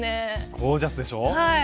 ゴージャスでしょ？